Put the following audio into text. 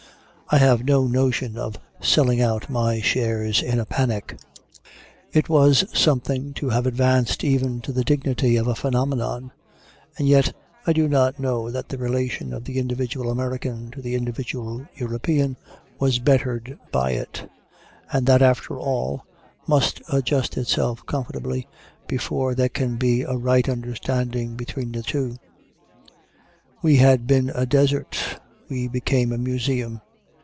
I have no notion of selling out my shares in a panic. It was something to have advanced even to the dignity of a phenomenon, and yet I do not know that the relation of the individual American to the individual European was bettered by it; and that, after all, must adjust itself comfortably before there can be a right understanding between the two. We had been a desert, we became a museum.